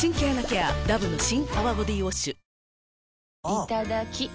いただきっ！